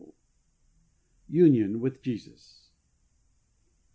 Union with Jesus.